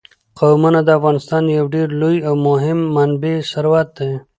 قومونه د افغانستان یو ډېر لوی او مهم طبعي ثروت دی.